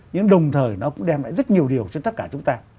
nhưng đồng thời nó cũng đem lại rất nhiều điều cho tất cả chúng ta